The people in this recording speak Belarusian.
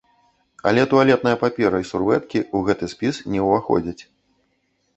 Але туалетная папера і сурвэткі ў гэты спіс не ўваходзяць.